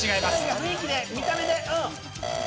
雰囲気で見た目でうん。